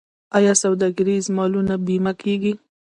آیا سوداګریز مالونه بیمه کیږي؟